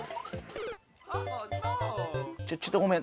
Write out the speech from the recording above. ちょっとごめん。